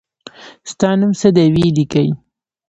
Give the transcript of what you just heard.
ستا نوم څه دی وي لیکی